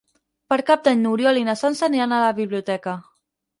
Per Cap d'Any n'Oriol i na Sança aniran a la biblioteca.